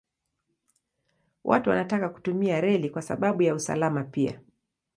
Watu wanataka kutumia reli kwa sababu ya usalama pia.